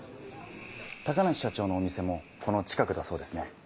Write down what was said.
高梨社長のお店もこの近くだそうですね